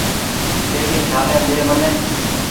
ٿهلي ڇهآلين ۮي مني